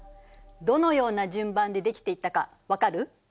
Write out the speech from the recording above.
どのような順番でできていったかわかる？